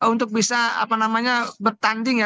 untuk bisa apa namanya bertanding ya